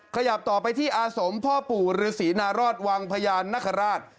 ขยับต่อไปที่อาสมพ่อปู่ฤษีนารอดวังพญานนคราช